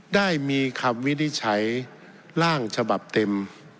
ได้มีคำวินิจฉัยร่างฉบับเต็ม